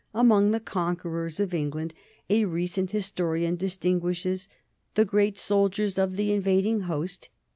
Among the conquerors of England a recent historian distinguishes "the great soldiers of the invading host